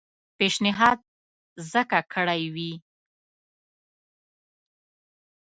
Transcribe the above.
پېشنهاد ځکه کړی وي.